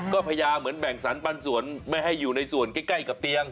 ก็พยายามเหมือนแบ่งสรรปันส่วนไม่ให้อยู่ในส่วนใกล้กับเตียง